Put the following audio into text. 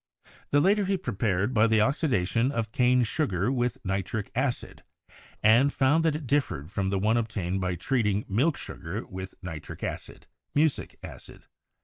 The latter he prepared by the oxidation of cane sugar with nitric acid, and found that it differed from the one obtained by treating milk sugar with nitric acid (mucic acid).